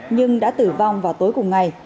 nhưng đã tử vong vào tối cùng ngày